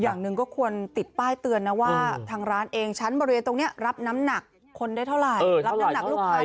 อย่างนึงก็ควรติดป้ายเตือนว่าทางร้านเองชั้นบริเวณตรงนี้รับน้ำหนักคนได้เท่าไร